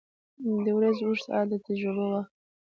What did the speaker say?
• د ورځې اوږده ساعته د تجربو وخت دی.